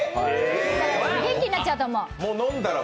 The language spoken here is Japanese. だから、元気になっちゃうと思う。